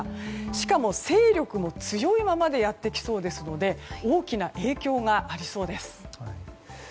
しかも勢力の強いままでやってきそうですので大きな影響がありそうです。